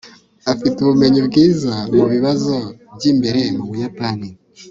afite ubumenyi bwiza mubibazo byimbere mubuyapani